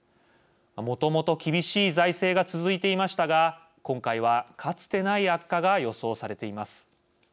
もともと厳しい財政が続いていましたが今回は、かつてない悪化が予想されています。